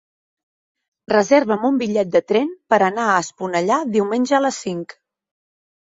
Reserva'm un bitllet de tren per anar a Esponellà diumenge a les cinc.